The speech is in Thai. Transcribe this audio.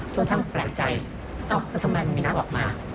จนทั้งแปลกใจทำไมมีนักออกมา